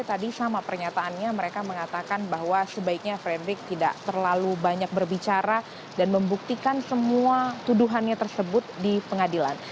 tadi sama pernyataannya mereka mengatakan bahwa sebaiknya frederick tidak terlalu banyak berbicara dan membuktikan semua tuduhannya tersebut di pengadilan